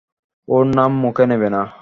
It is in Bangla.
ওর নাম মুখে নেবে না।